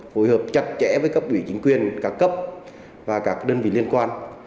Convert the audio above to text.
phối hợp chặt chẽ với cấp ủy chính quyền các cấp và các đơn vị liên quan